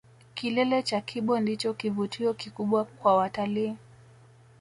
Kilele cha kibo ndicho kivutio kikubwa kwa watalii